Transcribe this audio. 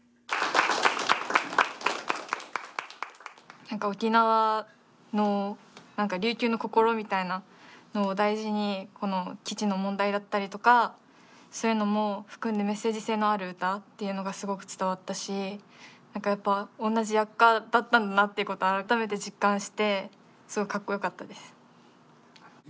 何か沖縄の琉球の心みたいなのを大事にこの基地の問題だったりとかそういうのも含んでメッセージ性のある歌っていうのがすごく伝わったし何かやっぱ同じ薬科だったんだなってことを改めて実感してすごくかっこよかったです。